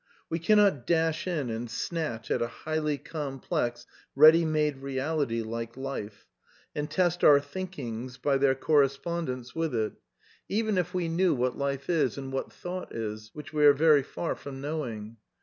We cannot dash in and snatch at a highly complex, ready made reality like Life and test our thiriings by their correspondence with THE NEW KEALISM 161 it, even if we knew what life is and what thought is (which we are very far from knowing).